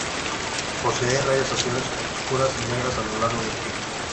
Posee rayas azules oscuras o negras a lo largo del pie.